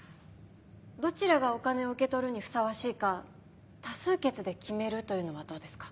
どちらがお金を受け取るにふさわしいか多数決で決めるというのはどうですか？